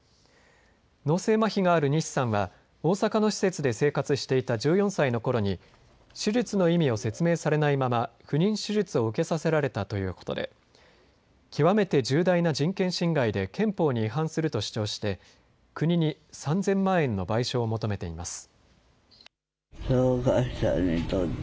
脳性まひがある西さんは大阪の施設で生活していた１４歳のころに手術の意味を説明されないまま、不妊手術を受けさせられたということで極めて重大な人権侵害で憲法に違反すると主張して国に３０００万円の賠償を求めています。